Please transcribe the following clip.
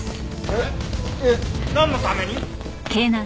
えっなんのために？